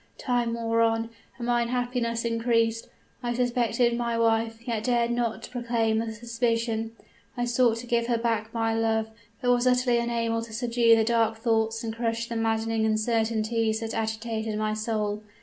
"Time wore on, and my unhappiness increased. I suspected my wife, yet dared not proclaim the suspicion. I sought to give her back my love, but was utterly unable to subdue the dark thoughts and crush the maddening uncertainties that agitated my soul.